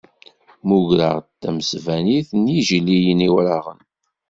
Mmugreɣ-d tamesbanit n Yijiliyen Iwraɣen.